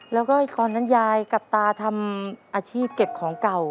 แล้วก็ตอนนั้นยายกับตาทำอาชีพเก็บของเก่า